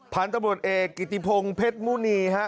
พันธบทเอกกิติพงศ์เพชรมูนีฮะ